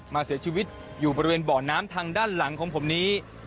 เสียชีวิตอยู่บริเวณบ่อน้ำทางด้านหลังของผมนี้